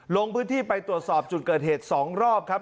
ลงพื้นที่ไปตรวจสอบจุดเกิดเหตุ๒รอบครับ